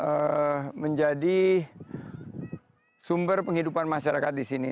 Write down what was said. berpuluh puluh tahun mungkin menjadi sumber penghidupan masyarakat di sini